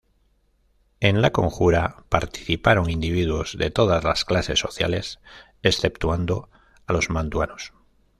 En la conjura participaron individuos de todas las clases sociales, exceptuando a los mantuanos.